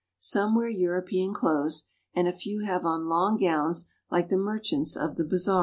Some wear Euro pean clothes, and a few have on long gowns like the mer chants of the bazaars.